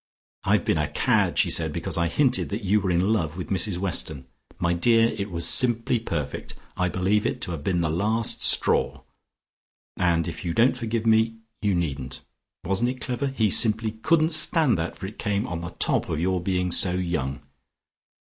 "I've been a cad," she said, "because I hinted that you were in love with Mrs Weston. My dear, it was simply perfect! I believe it to have been the last straw, and if you don't forgive me you needn't. Wasn't it clever? He simply couldn't stand that, for it came on the top of your being so young."